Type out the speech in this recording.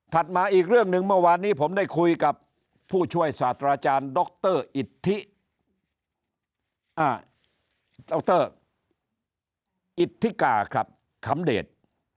มาอีกเรื่องหนึ่งเมื่อวานนี้ผมได้คุยกับผู้ช่วยศาสตราจารย์ดรอิทธิดรอิทธิกาครับขำเดช